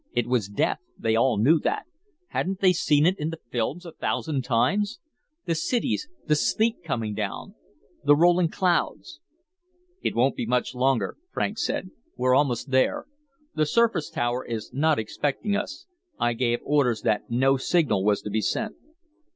It was death; they all knew that. Hadn't they seen it in the films a thousand times? The cities, the sleet coming down, the rolling clouds "It won't be much longer," Franks said. "We're almost there. The surface tower is not expecting us. I gave orders that no signal was to be sent."